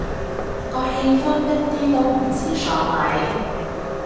個氣氛一啲都唔似喪禮